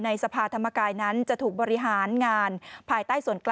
ด้วยด้วยกรุณิตระรุนบวกของพระธรรม